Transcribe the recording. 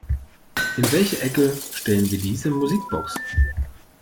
In welche Ecke stellen wir diese Musikbox?